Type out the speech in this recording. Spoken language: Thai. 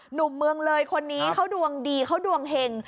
หนุ่มเมืองเลยคนนี้เขาดวงดีเขาดวงเห็ง